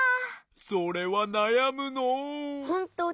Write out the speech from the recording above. それはなやむのう。